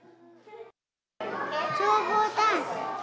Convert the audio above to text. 消防隊員。